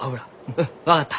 うん分かった。